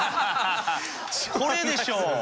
これでしょ！